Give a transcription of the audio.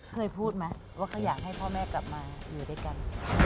เคยพูดไหมว่าเขาอยากให้พ่อแม่กลับมาอยู่ด้วยกัน